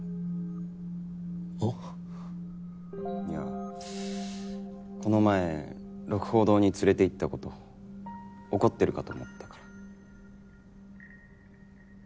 いやこの前鹿楓堂に連れて行った事怒ってるかと思ったから。